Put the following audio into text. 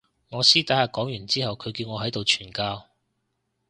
我私底下講完之後佢叫我喺呢度傳教